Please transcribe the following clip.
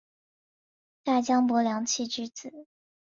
大将柏良器之子。